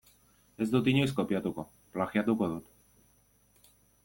Ez dut inoiz kopiatuko, plagiatuko dut.